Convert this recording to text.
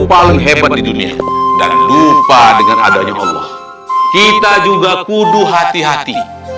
paling hebat di dunia dan lupa dengan adanya allah kita juga kudu hati hati